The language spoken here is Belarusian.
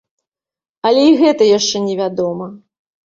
Але і гэта яшчэ невядома.